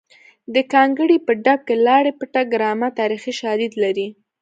د ګانګړې په ډب کې لاړې بټه ګرامه تاریخي شالید لري